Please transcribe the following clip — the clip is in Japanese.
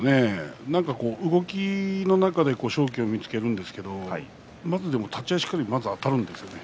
動きの中で勝機を見つけるんですけどまず立ち合いしっかりあたるんですよね